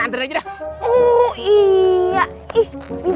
oh telepon tuh cepetan dong